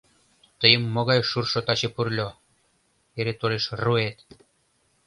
— Тыйым могай шуршо таче пурло — эре тореш руэт?